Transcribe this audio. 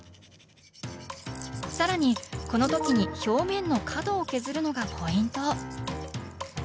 更にこの時に表面の角を削るのがポイント。